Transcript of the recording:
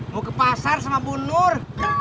mau ke pasar sama bu nur